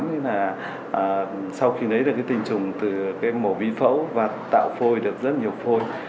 thế là sau khi lấy được cái tình trùng từ cái mổ vi phẫu và tạo phôi được rất nhiều phôi